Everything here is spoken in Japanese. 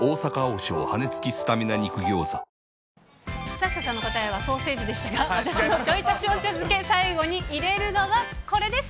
サッシャさんの答えはソーセージでしたが、私のちょい足しお茶漬け、最後に入れるのはこれです。